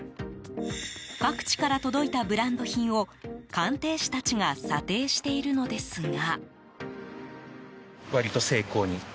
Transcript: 各地から届いたブランド品を鑑定士たちが査定しているのですが。